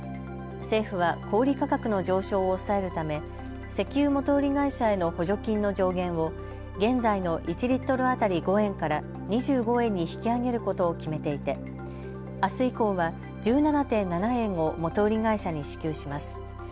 政府は小売価格の上昇を抑えるため石油元売り会社への補助金の上限を現在の１リットル当たり５円から２５円に引き上げることを決めていてあす以降は１７．７円を元売り会社に支給します。